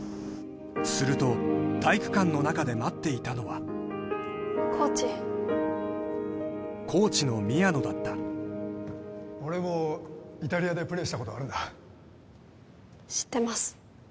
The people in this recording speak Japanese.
すると体育館の中で待っていたのはコーチコーチの宮野だった俺もイタリアでプレーしたことがあるんだ知ってます